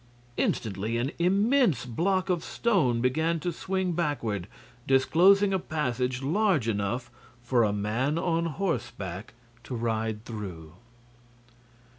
Instantly an immense block of stone began to swing backward, disclosing a passage large enough for a man on horseback to ride through.